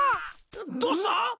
どうした！？